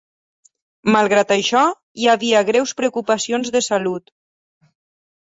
Malgrat això, hi havia greus preocupacions de salut.